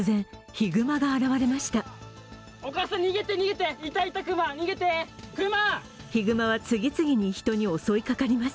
ひぐまは次々に人に襲いかかります。